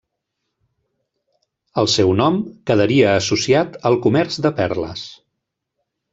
El seu nom quedaria associat al comerç de perles.